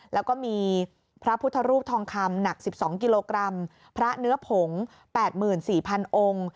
แล้วก็มีพระพุทธรูปทองคำหนัก๑๒กิโลกรัมพระเนื้อผง๘๔๐๐องค์